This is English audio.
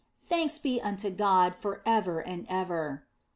Thanks be unto God for ever and ever.